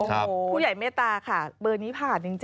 ผู้ใหญ่เมตตาค่ะเบอร์นี้ผ่านจริง